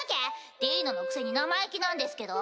ディーノのくせに生意気なんですけど。